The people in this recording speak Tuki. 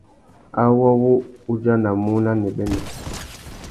Awô wu udjanamú nà nêbênê.